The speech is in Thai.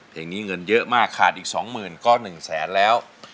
เพลงนี้เงินเยอะมากขาดอีก๒๐๐๐ก็๑แสนแล้ว